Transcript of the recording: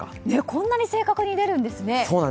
こんなに正確に出るんですね。